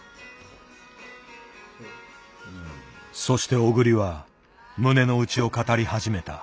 そして小栗は胸の内を語り始めた。